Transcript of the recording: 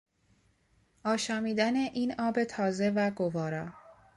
آشامیدن این آب تازه و گوارا